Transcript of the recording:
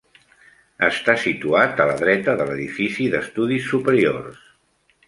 Està situat a la dreta de l'edifici d'estudis superiors.